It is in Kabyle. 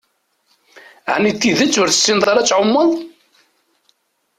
Ɛni d tidett ur tessineḍ ara ad tɛumeḍ?